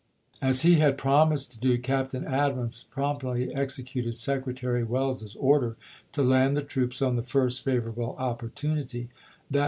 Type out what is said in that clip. As he had promised to do, Captain Adams promptly executed Secretary Welles's order to "land the troops on the first favorable opportu 1861.